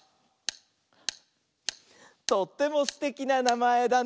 「とってもすてきななまえだね」